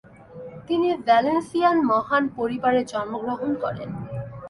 তিনি ভ্যালেন্সিয়ান মহান পরিবারে জন্মগ্রহণ করেন।